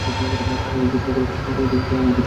তাহাকে বিছানার উপরে ফেলিয়া উদয়াদিত্য উঠিয়া দাঁড়াইলেন।